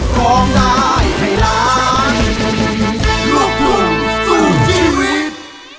ร้องได้ให้ล้านลูกทุ่งสู้ชีวิต